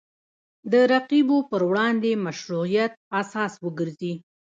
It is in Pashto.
د رقیبو پر وړاندې مشروعیت اساس وګرځي